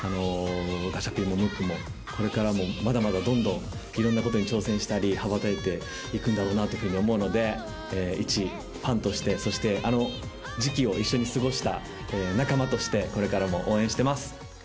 ガチャピンもムックもこれからもまだまだどんどんいろんなことに挑戦したり羽ばたいていくんだろうなというふうに思うのでいちファンとしてそしてあの時期を一緒に過ごした仲間としてこれからも応援してます。